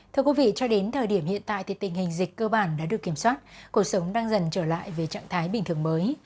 thưa quý vị cho đến thời điểm hiện tại thì tình hình dịch cơ bản đã được kiểm soát cuộc sống đang dần trở lại về trạng thái bình thường mới